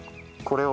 これ。